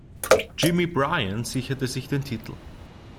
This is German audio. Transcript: Jimmy Bryan sicherte sich den Titel.